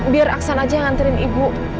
biar aksan aja yang nganterin ibu